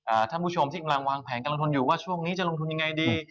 ท่านผู้ชมที่กำลังวางแผนการลงทุนอยู่ว่าช่วงนี้จะลงทุนยังไงดี